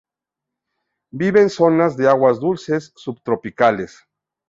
Vive en zonas de aguas dulces subtropicales.